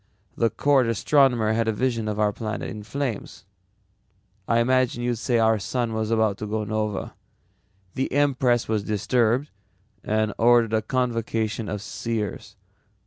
"The court astronomer had a vision of our planet in flames. I imagine you'd say our sun was about to nova. The empress was disturbed and ordered a convocation of seers.